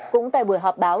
cũng tại buổi họp báo